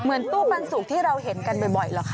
เหมือนตู้ปันสุกที่เราเห็นกันบ่อยเหรอคะ